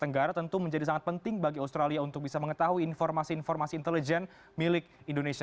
tenggara tentu menjadi sangat penting bagi australia untuk bisa mengetahui informasi informasi intelijen milik indonesia